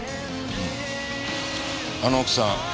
あの奥さん